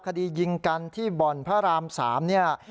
คดียิงกันที่บ่อนพระราม๓เนี่ย